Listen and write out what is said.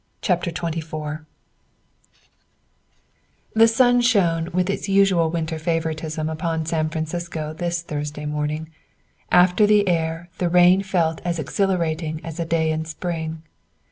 Chapter XXIV The sun shone with its usual winter favoritism upon San Francisco this Thursday morning. After the rain the air felt as exhilarating as a day in spring.